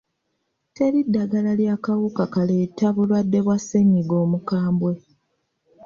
Teri ddagala ly'akawuka kaleeta bulwadde bwa ssenyiga omukambwe.